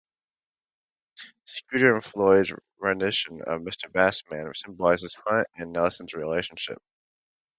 Scooter and Floyd's rendition of "Mr. Bass Man" symbolizes Hunt and Nelson's relationship.